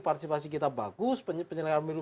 partisipasi kita bagus penyelenggara milu